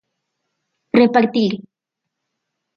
Repartir.